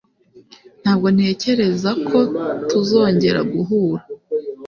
Ntabwo ntekereza ko tuzongera guhura.